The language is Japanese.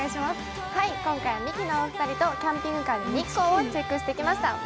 今回はミキのお二人とキャンピングカーで日光をチェックしてきました。